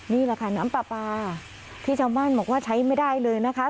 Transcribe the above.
นี่แหละค่ะน้ำปลาปลาที่ชาวบ้านบอกว่าใช้ไม่ได้เลยนะคะ